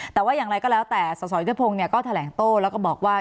แต่ว่าอย่างไรก็แล้วแต่สสยุทธพงศ์ก็แถลงโต้แล้วก็บอกว่า